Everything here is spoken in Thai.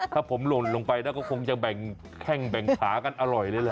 ถ้าผมลงไปแล้วคงจะแข่งแบ่งขากันอร่อยรึไง